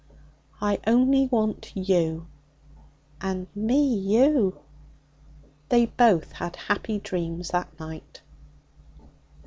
'I only want you.' 'And me you.' They both had happy dreams that night.